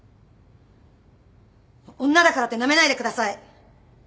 女だからってなめないでください！